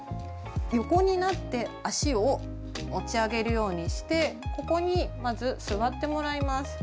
横になって足を持ち上げるようにしてここにまず座ってもらいます。